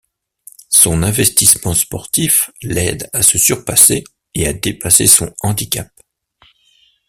Son investissement sportif l'aide à se surpasser et à dépasser son handicap.